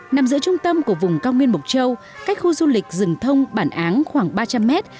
nằm giữa trung tâm của vùng cao nguyên mộc châu cách khu du lịch rừng thông bản áng khoảng ba trăm linh mét